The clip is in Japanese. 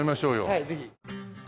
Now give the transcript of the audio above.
はいぜひ。